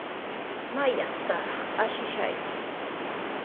¿Maytrawtaq ashishayki?